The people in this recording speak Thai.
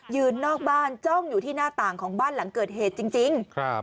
นอกบ้านจ้องอยู่ที่หน้าต่างของบ้านหลังเกิดเหตุจริงครับ